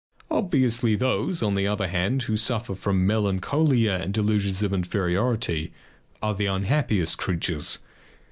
Obviously those, on the other hand, who suffer from melancholia and delusions of inferiority are the unhappiest creatures.